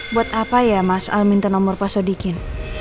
buat apa ya mas al minta nomor pak sodikin